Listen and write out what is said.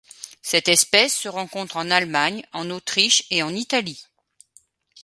Cette espèce se rencontre en Allemagne, en Autriche et en Italie.